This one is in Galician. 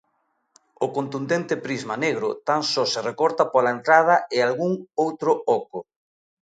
O contundente prisma negro tan só se recorta pola entrada e algún outro oco.